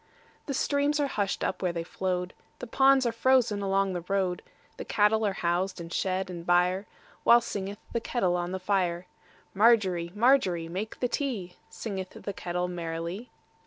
The streams are hushed up where they flowed, The ponds are frozen along the road, The cattle are housed in shed and byreWhile singeth the kettle on the fire. Margery, Margery, make the tea, Singeth the kettle merrily.